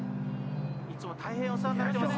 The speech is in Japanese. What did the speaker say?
いつも大変お世話になってます。